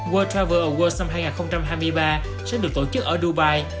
worl travel awards năm hai nghìn hai mươi ba sẽ được tổ chức ở dubai